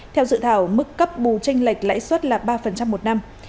theo sự thảo mức cấp bù tranh lệch lãi xuất là ba một năm